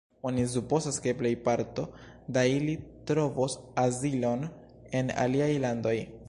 Oni supozas, ke plejparto da ili trovos azilon en aliaj landoj.